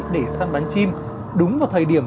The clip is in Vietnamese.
để săn đánh chim đúng vào thời điểm